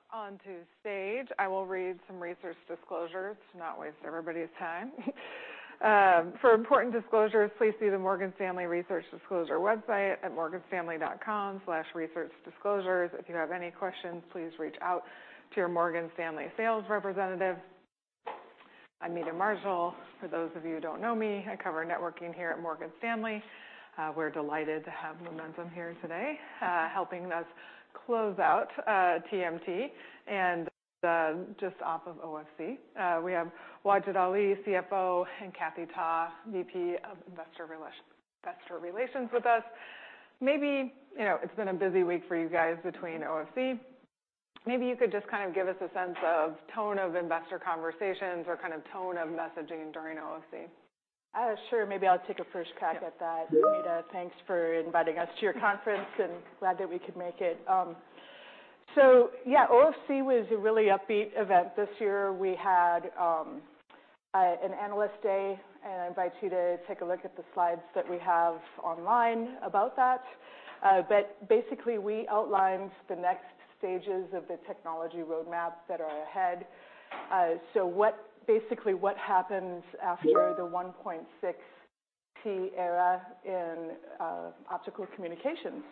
Up onto stage. I will read some research disclosures to not waste everybody's time. For important disclosures, please see the Morgan Stanley Research Disclosure website at morganstanley.com/researchdisclosures. If you have any questions, please reach out to your Morgan Stanley sales representative. I'm Meta Marshall, for those of you who don't know me, I cover networking here at Morgan Stanley. We're delighted to have Lumentum here today, helping us close out TMT and just off of OFC. We have Wajid Ali, CFO, and Kathy Ta, VP of Investor Relations with us. Maybe, you know, it's been a busy week for you guys between OFC. Maybe you could just kind of give us a sense of tone of investor conversations or kind of tone of messaging during OFC. Sure. Maybe I'll take a first crack at that. Yeah. Nina, thanks for inviting us to your conference, and glad that we could make it. Yeah, OFC was a really upbeat event. This year we had an analyst day, and I invite you to take a look at the slides that we have online about that. But basically, we outlined the next stages of the technology roadmap that are ahead. Basically what happens after the 1.6T era in optical communications.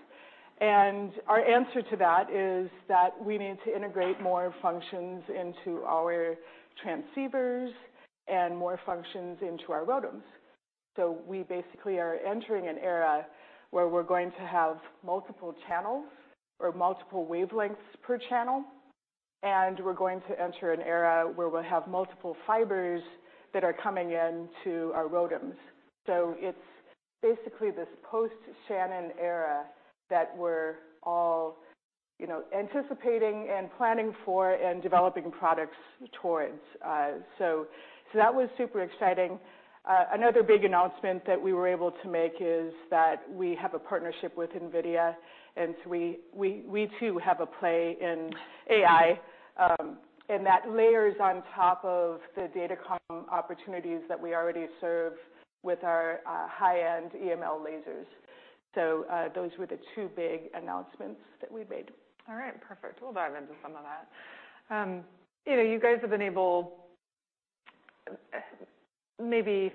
And our answer to that is that we need to integrate more functions into our transceivers and more functions into our ROADMs. We basically are entering an era where we're going to have multiple channels or multiple wavelengths per channel, and we're going to enter an era where we'll have multiple fibers that are coming into our ROADMs. It's basically this post-Shannon era that we're all, you know, anticipating and planning for and developing products towards. So that was super exciting. Another big announcement that we were able to make is that we have a partnership with NVIDIA, and so we too have a play in AI, and that layers on top of the data comm opportunities that we already serve with our high-end EML lasers. Those were the two big announcements that we made. All right. Perfect. We'll dive into some of that. you know, you guys have been able maybe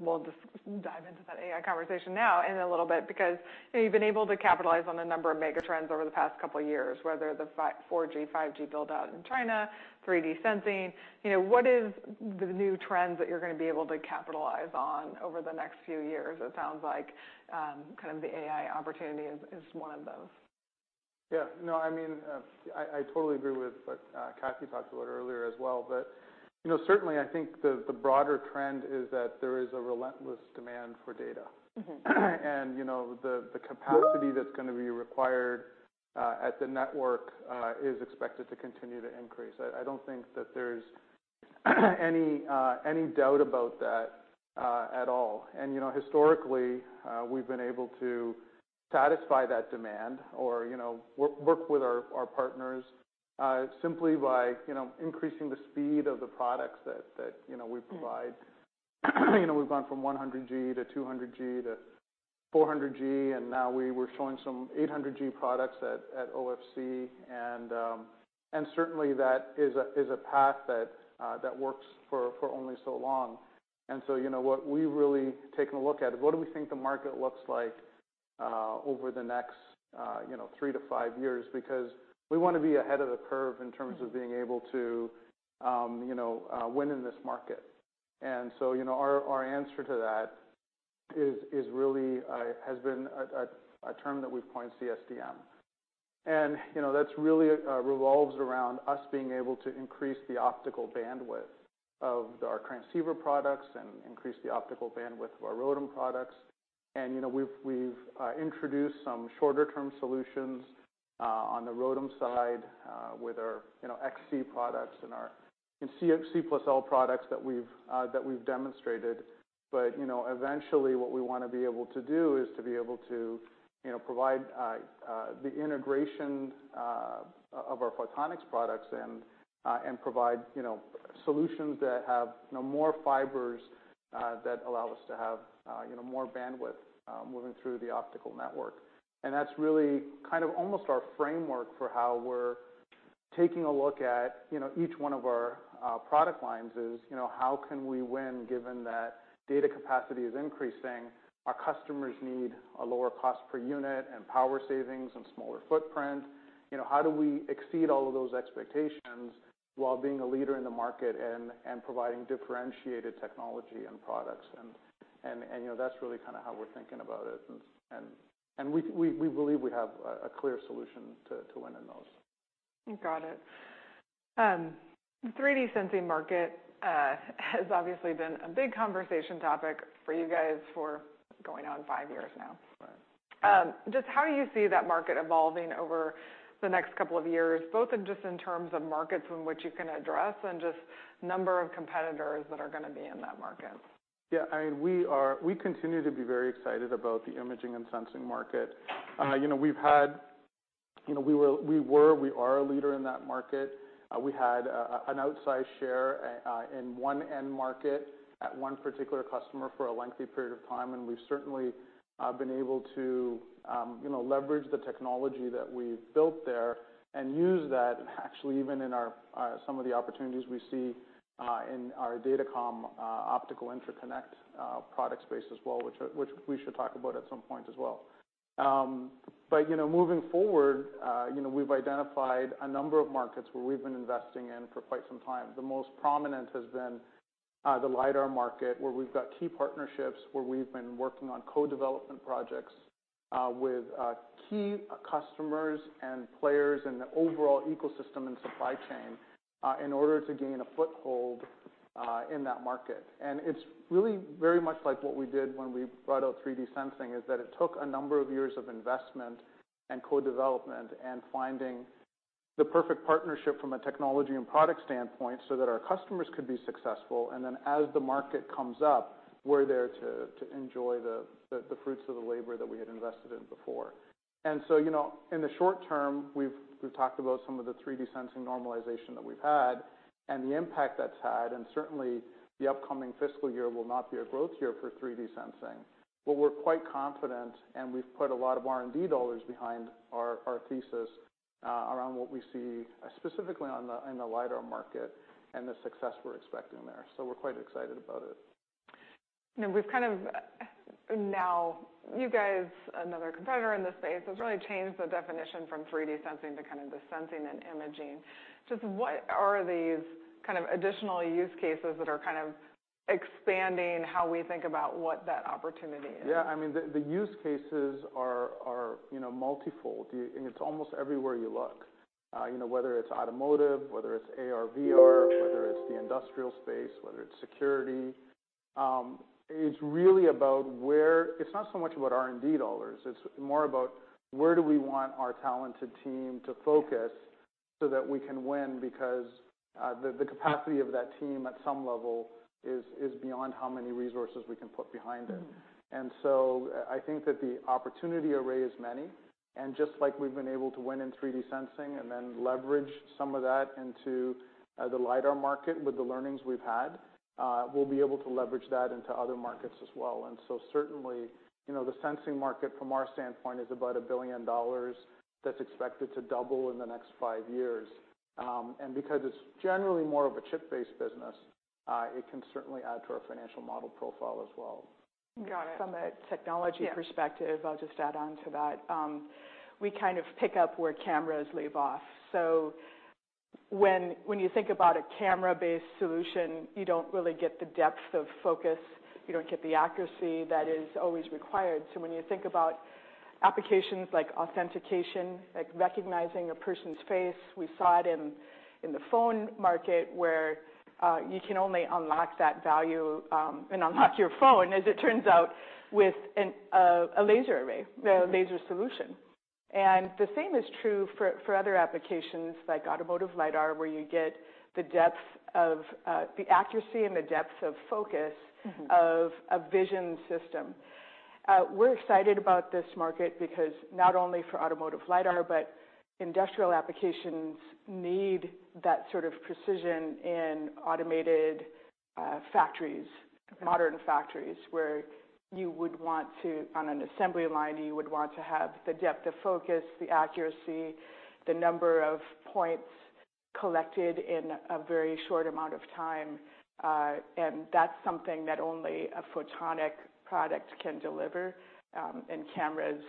we'll just dive into that AI conversation now in a little bit, because, you know, you've been able to capitalize on a number of mega trends over the past couple of years, whether the 4G, 5G build-out in China, 3D sensing. You know, what is the new trends that you're gonna be able to capitalize on over the next few years? It sounds like kind of the AI opportunity is one of those. Yeah. No, I mean, I totally agree with what Kathy talked about earlier as well. You know, certainly I think the broader trend is that there is a relentless demand for data. Mm-hmm. You know, the capacity that's gonna be required at the network is expected to continue to increase. I don't think that there's any doubt about that at all. You know, historically, we've been able to satisfy that demand or, you know, work with our partners, simply by, you know, increasing the speed of the products that, you know, we provide. You know, we've gone from 100G to 200G to 400G, and now we were showing some 800G products at OFC. Certainly that is a path that works for only so long. You know, what we've really taken a look at, what do we think the market looks like, over the next, you know, three to five years? Because we wanna be ahead of the curve in terms of being able to, you know, win in this market. You know, our answer to that is really a term that we've coined CSDM. You know, that's really revolves around us being able to increase the optical bandwidth of our transceiver products and increase the optical bandwidth of our ROADM products. You know, we've introduced some shorter term solutions on the ROADM side with our, you know, XC products and our C+L products that we've demonstrated. You know, eventually what we wanna be able to do is to be able to, you know, provide the integration of our photonics products and provide, you know, solutions that have, you know, more fibers that allow us to have, you know, more bandwidth moving through the optical network. That's really kind of almost our framework for how we're taking a look at, you know, each one of our product lines is, you know, how can we win given that data capacity is increasing, our customers need a lower cost per unit and power savings and smaller footprint? You know, how do we exceed all of those expectations while being a leader in the market and providing differentiated technology and products? You know, that's really kinda how we're thinking about it. We believe we have a clear solution to win in those. Got it. The 3D sensing market has obviously been a big conversation topic for you guys for going on five years now. Right. Just how you see that market evolving over the next couple of years, both in, just in terms of markets in which you can address and just number of competitors that are gonna be in that market. Yeah, I mean, we continue to be very excited about the imaging and sensing market. You know, we are a leader in that market. We had an outsized share in one end market at one particular customer for a lengthy period of time, and we've certainly been able to, you know, leverage the technology that we've built there and use that actually even in our some of the opportunities we see in our datacom optical interconnect product space as well, which we should talk about at some point as well. You know, moving forward, you know, we've identified a number of markets where we've been investing in for quite some time. The most prominent has been the LiDAR market, where we've got key partnerships, where we've been working on co-development projects, with key customers and players in the overall ecosystem and supply chain, in order to gain a foothold in that market. It's really very much like what we did when we brought out 3D sensing, is that it took a number of years of investment and co-development and finding the perfect partnership from a technology and product standpoint, so that our customers could be successful. Then as the market comes up, we're there to enjoy the fruits of the labor that we had invested in before. you know, in the short term, we've talked about some of the 3D sensing normalization that we've had and the impact that's had, and certainly the upcoming fiscal year will not be a growth year for 3D sensing. We're quite confident, and we've put a lot of R&D dollars behind our thesis around what we see specifically on the, in the LiDAR market and the success we're expecting there. We're quite excited about it. You know, we've kind of. Now you guys, another competitor in this space, has really changed the definition from 3D sensing to kind of the sensing and imaging. Just what are these kind of additional use cases that are kind of expanding how we think about what that opportunity is? Yeah. I mean, the use cases are, you know, multifold. It's almost everywhere you look. you know, whether it's automotive, whether it's AR/VR, whether it's the industrial space, whether it's security. It's really about It's not so much about R&D dollars. It's more about where do we want our talented team to focus so that we can win because, the capacity of that team at some level is beyond how many resources we can put behind it. Mm-hmm. I think that the opportunity array is many. Just like we've been able to win in 3D sensing and then leverage some of that into the LiDAR market with the learnings we've had, we'll be able to leverage that into other markets as well. Certainly, you know, the sensing market from our standpoint is about $1 billion that's expected to double in the next 5 years. Because it's generally more of a chip-based business, it can certainly add to our financial model profile as well. Got it. From a technology perspective- Yeah I'll just add on to that. We kind of pick up where cameras leave off. When you think about a camera-based solution, you don't really get the depth of focus, you don't get the accuracy that is always required. When you think about applications like authentication, like recognizing a person's face, we saw it in the phone market, where you can only unlock that value and unlock your phone as it turns out with an a laser array, the laser solution. The same is true for other applications like automotive LiDAR, where you get the depth of the accuracy and the depth of focus - Mm-hmm - of a vision system. We're excited about this market because not only for automotive LiDAR, but industrial applications need that sort of precision in automated factories, modern factories, where on an assembly line, you would want to have the depth of focus, the accuracy, the number of points collected in a very short amount of time. And that's something that only a photonic product can deliver, and cameras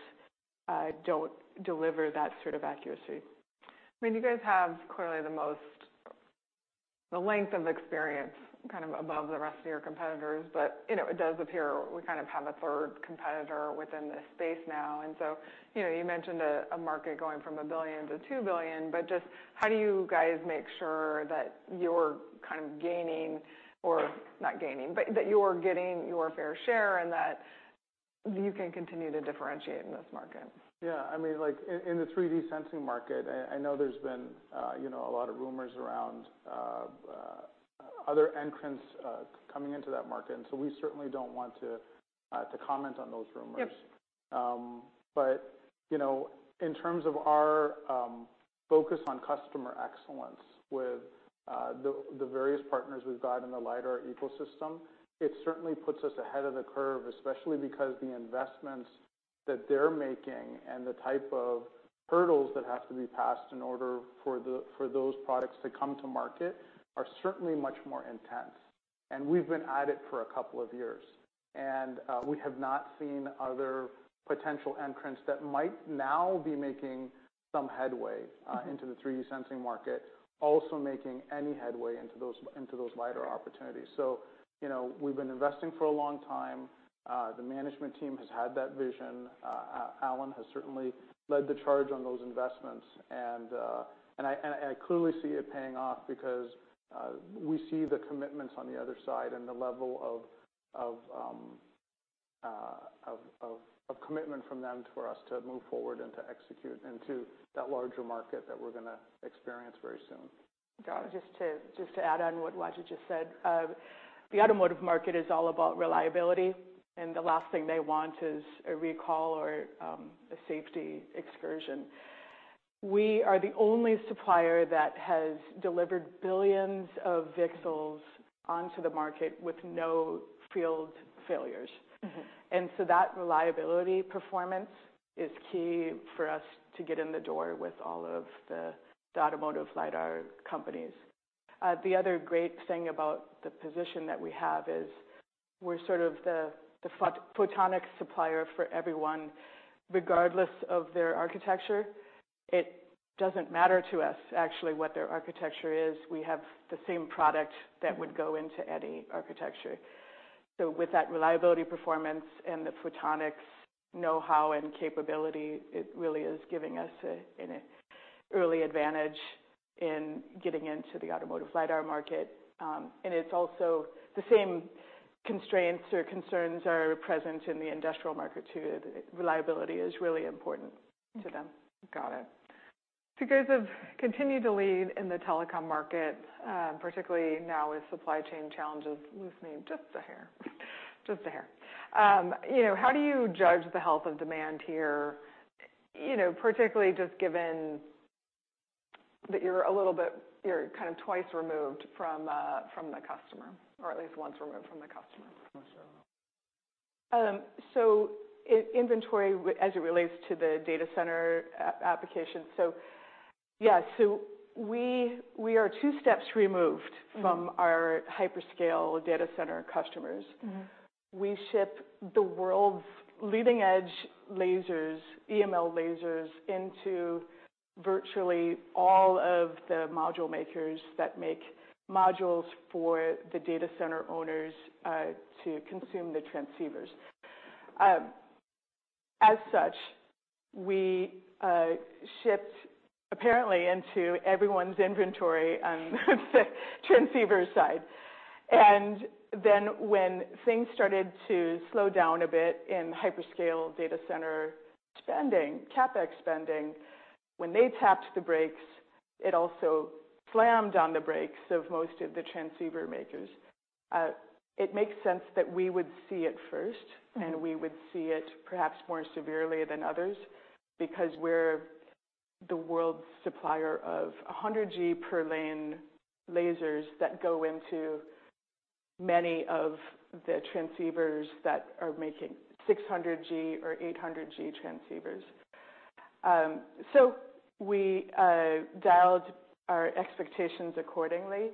don't deliver that sort of accuracy. I mean, you guys have clearly the length of experience, kind of above the rest of your competitors. You know, it does appear we kind of have a third competitor within this space now. You know, you mentioned a market going from $1 billion-$2 billion, but just how do you guys make sure that you're kind of not gaining, but that you're getting your fair share and that you can continue to differentiate in this market? Yeah. I mean, like, in the 3D sensing market, I know there's been, you know, a lot of rumors around other entrants coming into that market, and so we certainly don't want to comment on those rumors. Yep. You know, in terms of our focus on customer excellence with the various partners we've got in the LiDAR ecosystem, it certainly puts us ahead of the curve, especially because the investments that they're making and the type of hurdles that have to be passed in order for those products to come to market are certainly much more intense. We've been at it for a couple of years, and we have not seen other potential entrants that might now be making some headway into the 3D sensing market, also making any headway into those LiDAR opportunities. You know, we've been investing for a long time. The management team has had that vision. Alan has certainly led the charge on those investments. I clearly see it paying off because we see the commitments on the other side and the level of commitment from them for us to move forward and to execute into that larger market that we're gonna experience very soon. Got it. Just to add on what Wajid just said, the automotive market is all about reliability, and the last thing they want is a recall or a safety excursion. We are the only supplier that has delivered billions of VCSELs onto the market with no field failures. Mm-hmm. That reliability performance is key for us to get in the door with all of the automotive LiDAR companies. The other great thing about the position that we have is we're sort of the photonic supplier for everyone, regardless of their architecture. It doesn't matter to us actually what their architecture is. We have the same product that would go into any architecture. With that reliability performance and the photonics know-how and capability, it really is giving us an early advantage in getting into the automotive LiDAR market. And it's also the same constraints or concerns are present in the industrial market too. Reliability is really important to them. Got it. You guys have continued to lead in the telecom market, particularly now with supply chain challenges loosening just a hair. Just a hair. You know, how do you judge the health of demand here, you know, particularly just given that you're a little bit... You're kind of twice removed from the customer, or at least once removed from the customer? Inventory, as it relates to the data center application. Yeah. We are two steps removed. Mm. from our hyperscale data center customers. Mm-hmm. We ship the world's leading edge lasers, EML lasers, into virtually all of the module makers that make modules for the data center owners, to consume the transceivers. As such, we shipped apparently into everyone's inventory on the transceiver side. When things started to slow down a bit in hyperscale data center spending, CapEx spending, when they tapped the brakes, it also slammed on the brakes of most of the transceiver makers. It makes sense that we would see it first. Mm. We would see it perhaps more severely than others because we're the world's supplier of 100G per lane lasers that go into many of the transceivers that are making 600G or 800G transceivers. We dialed our expectations accordingly.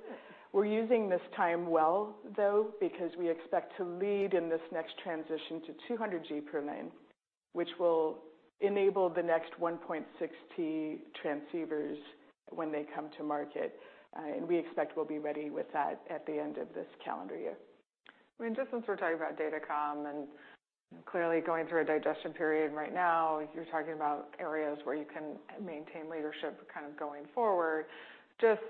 We're using this time well though because we expect to lead in this next transition to 200G per lane, which will enable the next 1.6T transceivers when they come to market. We expect we'll be ready with that at the end of this calendar year. I mean, just since we're talking about datacom and clearly going through a digestion period right now, you're talking about areas where you can maintain leadership kind of going forward. Just,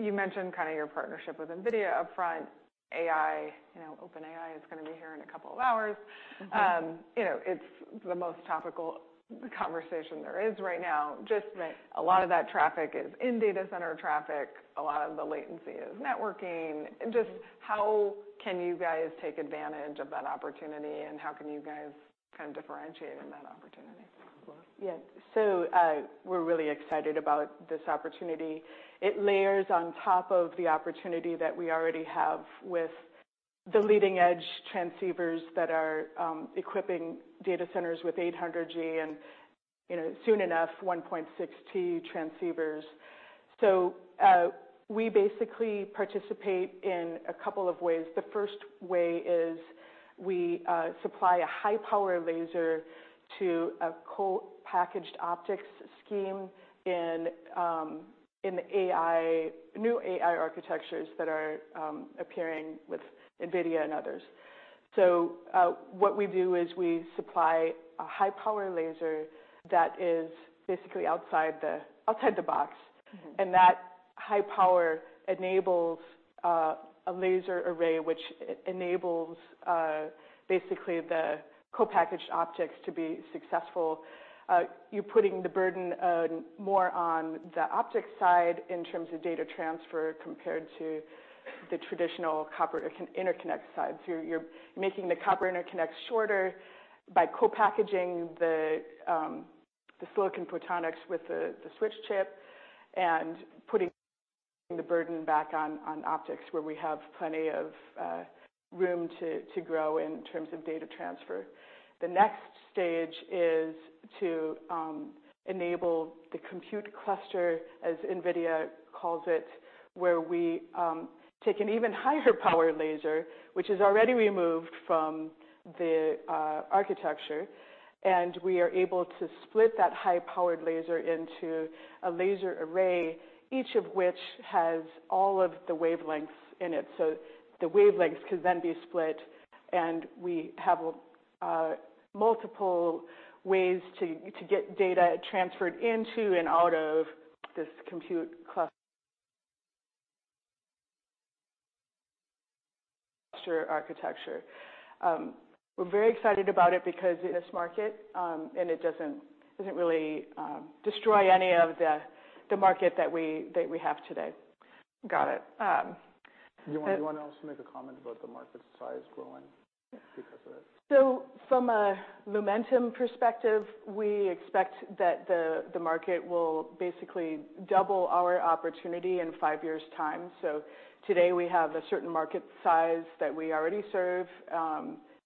you mentioned kind of your partnership with NVIDIA upfront. AI, you know, OpenAI is gonna be here in a couple of hours. Mm-hmm. You know, it's the most topical conversation there is right now. Right A lot of that traffic is in data center traffic, a lot of the latency is networking. How can you guys take advantage of that opportunity, and how can you guys kind of differentiate in that opportunity? Yeah. So, we're really excited about this opportunity. It layers on top of the opportunity that we already have with the leading edge transceivers that are equipping data centers with 800G and, you know, soon enough, 1.6T transceivers. We basically participate in a couple of ways. The first way is we supply a high-power laser to a co-packaged optics scheme in the new AI architectures that are appearing with NVIDIA and others. What we do is we supply a high-power laser that is basically outside the box. Mm-hmm. That high power enables a laser array, which enables basically the co-packaged optics to be successful. You're putting the burden more on the optics side in terms of data transfer compared to the traditional copper interconnect side. You're making the copper interconnect shorter by co-packaging the silicon photonics with the switch chip and putting the burden back on optics, where we have plenty of room to grow in terms of data transfer. Next stage is to enable the compute cluster, as NVIDIA calls it, where we take an even higher power laser, which is already removed from the architecture, and we are able to split that high-powered laser into a laser array, each of which has all of the wavelengths in it. The wavelengths can then be split, and we have multiple ways to get data transferred into and out of this compute cluster architecture. We're very excited about it because in this market, and it doesn't really destroy any of the market that we have today. Got it. You want to also make a comment about the market size growing because of it? From a Lumentum perspective, we expect that the market will basically double our opportunity in five years' time. Today, we have a certain market size that we already serve,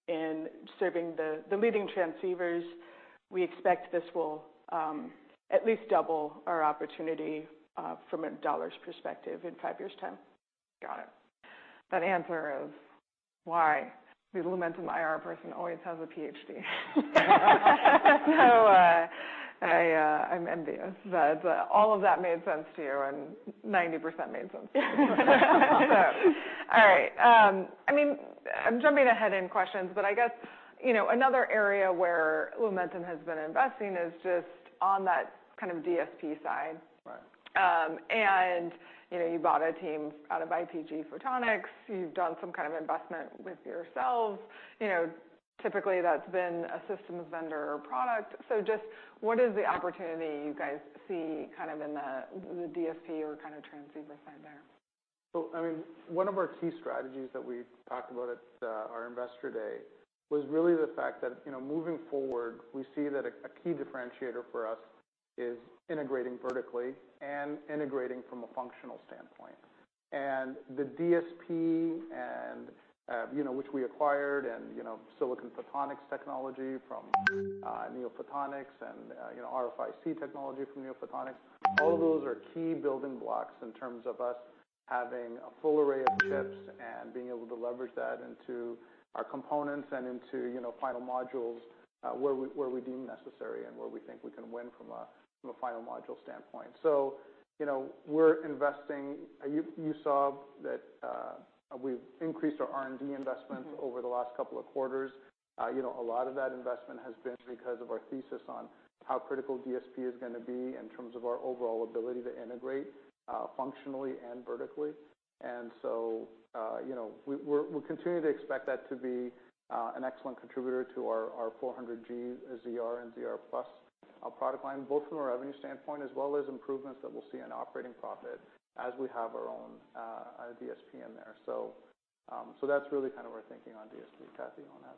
in serving the leading transceivers. We expect this will at least double our opportunity from a dollar perspective in five years' time. Got it. That answer of why the Lumentum IR person always has a PhD. I'm envious that all of that made sense to you, and 90% made sense. All right, I mean, I'm jumping ahead in questions, but I guess, you know, another area where Lumentum has been investing is just on that kind of DSP side. Right. You know, you bought a team out of IPG Photonics. You've done some kind of investment with yourselves. You know, typically, that's been a systems vendor product. Just what is the opportunity you guys see kind of in the DSP or kind of transceiver side there? I mean, one of our key strategies that we talked about at our Investor Day, was really the fact that, you know, moving forward, we see that a key differentiator for us is integrating vertically and integrating from a functional standpoint. The DSP and, you know, which we acquired and, you know, silicon photonics technology from NeoPhotonics and, you know, ROA technology from NeoPhotonics, all those are key building blocks in terms of us having a full array of chips and being able to leverage that into our components and into, you know, final modules, where we, where we deem necessary, and where we think we can win from a, from a final module standpoint. You know, we're investing. You saw that we've increased our R&D investments. Mm-hmm. Over the last couple of quarters. you know, a lot of that investment has been because of our thesis on how critical DSP is gonna be in terms of our overall ability to integrate, functionally and vertically. you know, we're continuing to expect that to be an excellent contributor to our 400G ZR and ZR+ product line, both from a revenue standpoint as well as improvements that we'll see in operating profit as we have our own, DSP in there. That's really kind of our thinking on DSP, Kathy, on that.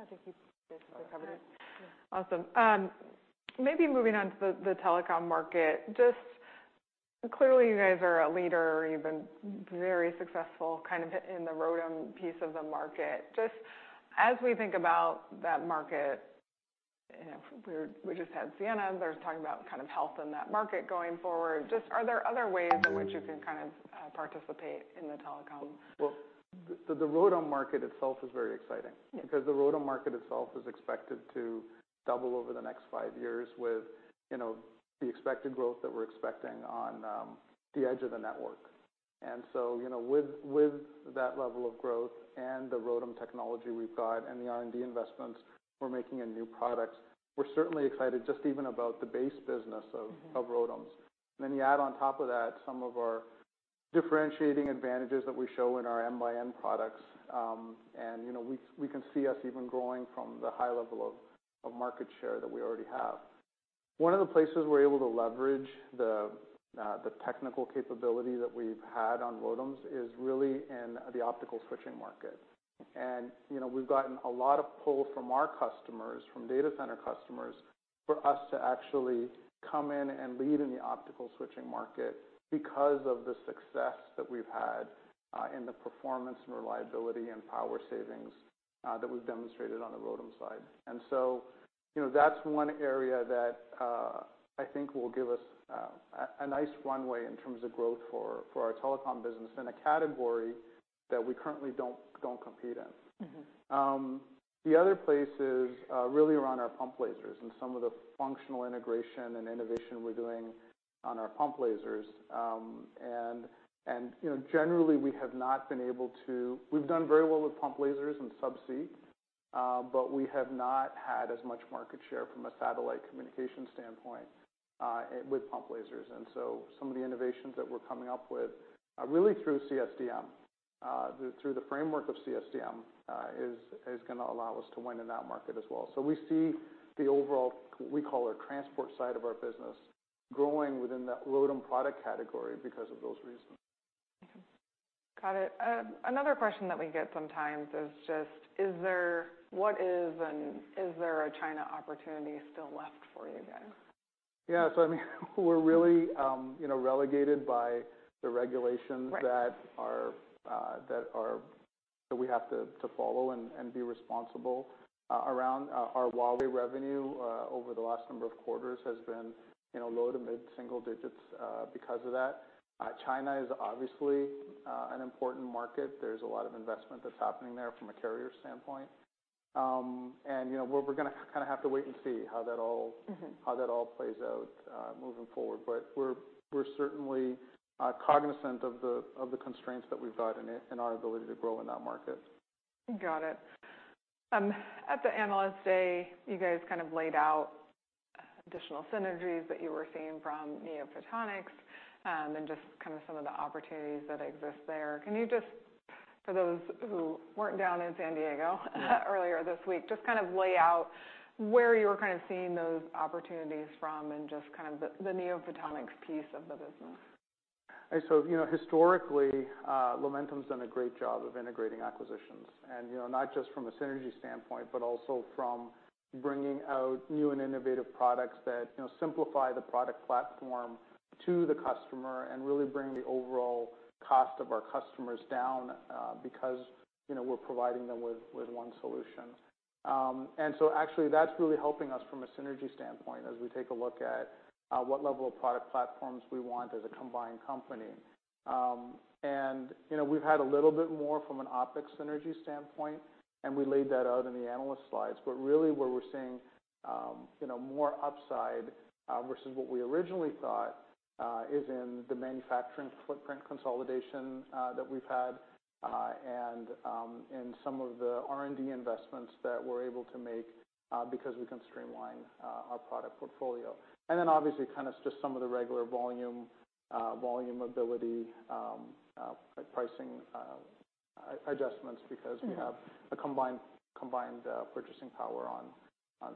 I think you guys covered it. Awesome. Maybe moving on to the telecom market. Clearly, you guys are a leader. You've been very successful kind of in the ROADM piece of the market. As we think about that market, you know, we just had Ciena. They're talking about kind of health in that market going forward. Are there other ways in which you can kind of participate in the telecom? Well, the ROADM market itself is very exciting. Yeah. The ROADM market itself is expected to double over the next five years with, you know, the expected growth that we're expecting on the edge of the network. You know, with that level of growth and the ROADM technology we've got and the R&D investments we're making in new products, we're certainly excited just even about the base business. Mm-hmm. Of ROADMs. You add on top of that some of our differentiating advantages that we show in our MxN products. You know, we can see us even growing from the high level of market share that we already have. One of the places we're able to leverage the technical capability that we've had on ROADMs is really in the optical switching market. You know, we've gotten a lot of pull from our customers, from data center customers, for us to actually come in and lead in the optical switching market because of the success that we've had in the performance and reliability and power savings that we've demonstrated on the ROADM side. You know, that's one area that I think will give us a nice runway in terms of growth for our telecom business in a category that we currently don't compete in. Mm-hmm. The other place is really around our pump lasers and some of the functional integration and innovation we're doing on our pump lasers. You know, generally, we've done very well with pump lasers in subsea, but we have not had as much market share from a satellite communication standpoint with pump lasers. Some of the innovations that we're coming up with are really through CSDM, through the framework of CSDM, is gonna allow us to win in that market as well. We see the overall, we call it transport side of our business, growing within that ROADM product category because of those reasons. Got it. Another question that we get sometimes is just what is and is there a China opportunity still left for you guys? Yeah. I mean, we're really, you know, relegated by the regulations- Right. That we have to follow and be responsible. Around our Huawei revenue over the last number of quarters has been, you know, low to mid-single digits because of that. China is obviously an important market. There's a lot of investment that's happening there from a carrier standpoint. you know, we're gonna kinda have to wait and see how that. Mm-hmm. How that all plays out, moving forward. We're certainly cognizant of the constraints that we've got and our ability to grow in that market. Got it. At the Analyst Day, you guys kind of laid out additional synergies that you were seeing from NeoPhotonics, and just kinda some of the opportunities that exist there. For those who weren't down in San Diego. Yeah. Earlier this week, just kind of lay out where you're kind of seeing those opportunities from and just kind of the NeoPhotonics piece of the business. You know, historically, Lumentum's done a great job of integrating acquisitions, and, you know, not just from a synergy standpoint, but also from bringing out new and innovative products that, you know, simplify the product platform to the customer and really bring the overall cost of our customers down, because, you know, we're providing them with one solution. Actually, that's really helping us from a synergy standpoint as we take a look at, what level of product platforms we want as a combined company. You know, we've had a little bit more from an OpEx synergy standpoint, and we laid that out in the analyst slides. Where we're seeing, you know, more upside, versus what we originally thought, is in the manufacturing footprint consolidation that we've had, and some of the R&D investments that we're able to make, because we can streamline our product portfolio. Obviously, kind of just some of the regular volume ability, pricing, adjustments. Mm-hmm We have a combined purchasing power on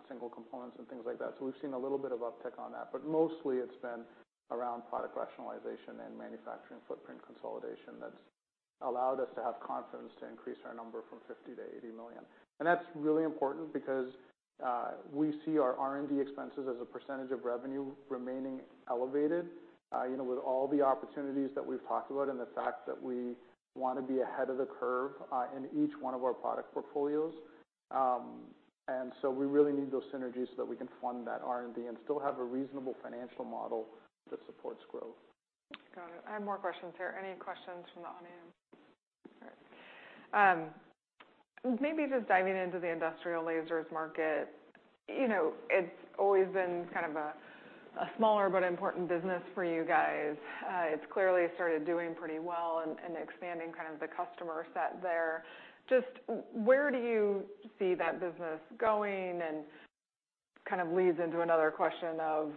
single components and things like that. We've seen a little bit of uptick on that. Mostly it's been around product rationalization and manufacturing footprint consolidation that's allowed us to have confidence to increase our number from $50 million-$80 million. That's really important because we see our R&D expenses as a % of revenue remaining elevated, you know, with all the opportunities that we've talked about and the fact that we want to be ahead of the curve, in each one of our product portfolios. We really need those synergies so that we can fund that R&D and still have a reasonable financial model that supports growth. Got it. I have more questions here. Any questions from the audience? All right. Maybe just diving into the industrial lasers market. You know, it's always been kind of a smaller but important business for you guys. It's clearly started doing pretty well and expanding kind of the customer set there. Just where do you see that business going, and kind of leads into another question of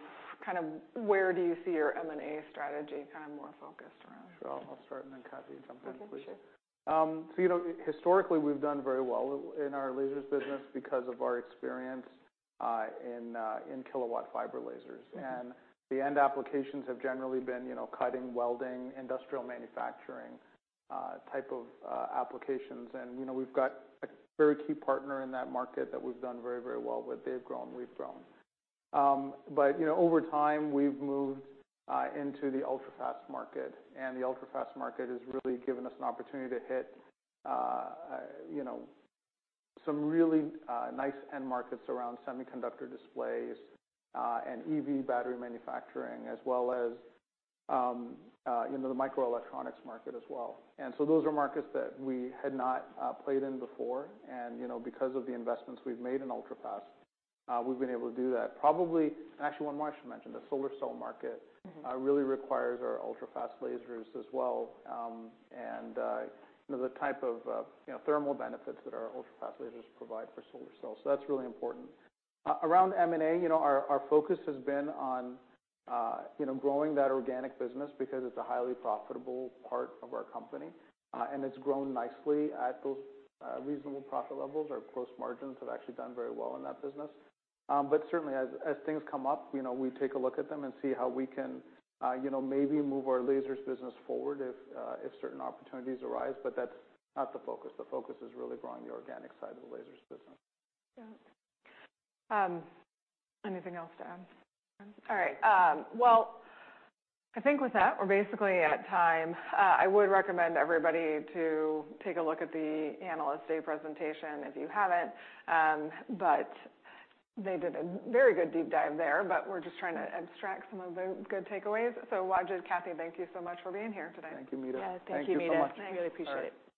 kind of where do you see your M&A strategy kind of more focused around? Sure. I'll start and then Kathy, jump in please. Okay. Sure. You know, historically, we've done very well in our lasers business because of our experience in kilowatt fiber lasers. Mm-hmm. The end applications have generally been cutting, welding, industrial manufacturing, type of applications. We've got a very key partner in that market that we've done very, very well with. They've grown, we've grown. Over time, we've moved into the ultrafast market, and the ultrafast market has really given us an opportunity to hit some really nice end markets around semiconductor displays, and EV battery manufacturing, as well as the microelectronics market as well. Those are markets that we had not played in before. Because of the investments we've made in ultrafast, we've been able to do that. Probably, actually, one more I should mention, the solar cell market. Mm-hmm Really requires our ultrafast lasers as well, and, you know, the type of, you know, thermal benefits that our ultrafast lasers provide for solar cells. That's really important. Around M&A, you know, our focus has been on, you know, growing that organic business because it's a highly profitable part of our company, and it's grown nicely at those reasonable profit levels. Our gross margins have actually done very well in that business. But certainly as things come up, you know, we take a look at them and see how we can, you know, maybe move our lasers business forward if certain opportunities arise, but that's not the focus. The focus is really growing the organic side of the lasers business. Got it. Anything else to add? All right. Well, I think with that, we're basically at time. I would recommend everybody to take a look at the Analyst Day presentation if you haven't. They did a very good deep dive there, but we're just trying to extract some of the good takeaways. Wajid, Kathy, thank you so much for being here today. Thank you, Meta. Yes, thank you, Meta. Thank you so much. I really appreciate it. All right.